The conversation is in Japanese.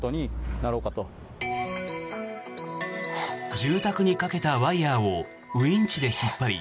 住宅にかけたワイヤをウィンチで引っ張り